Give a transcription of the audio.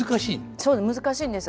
そう難しいんです。